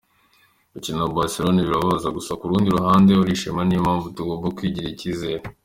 Gukina na Barcelona birababaza gusa ku rundi ruhande urishima niyo mpamvu tugomba kwigirira icyizere.